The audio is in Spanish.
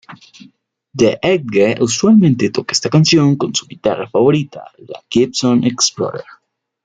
The Edge usualmente toca esta canción con su guitarra favorita, la Gibson Explorer.